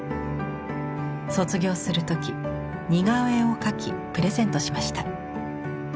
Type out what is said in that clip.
卒業する時似顔絵を描きプレゼントしました。